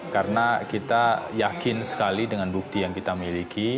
karena kita yakin sekali dengan bukti yang kita miliki